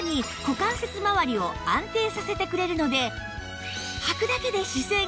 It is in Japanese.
股関節まわりを安定させてくれるので